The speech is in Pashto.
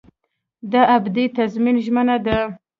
دا ابدي تضمین ژمنه ده.